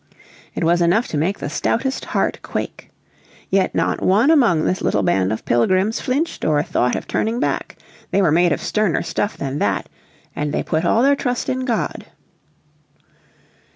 It was enough to make the stoutest heart quake. Yet not one among this little band of Pilgrims flinched or thought of turning back. They were made of sterner stuff than that, and they put all their trust in God.